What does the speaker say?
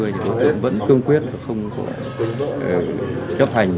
thì lực lượng vẫn cương quyết không có chấp hành